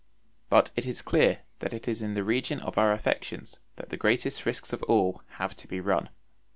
But it is clear that it is in the region of our affections that the greatest risks of all have to be run.